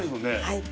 はい。